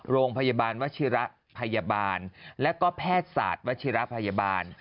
โรงพยาบาลวชิระพยาบาลและก็แพทย์ศาสตร์วัชิระพยาบาล